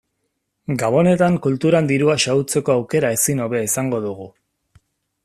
Gabonetan kulturan dirua xahutzeko aukera ezin hobea izango dugu.